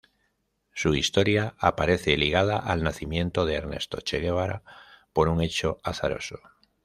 Su historia aparece ligada al nacimiento de Ernesto Che Guevara por un hecho azaroso.